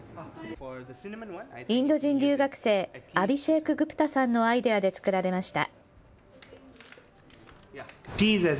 インド人留学生、アビシェーク・グプタさんのアイデアで作られました。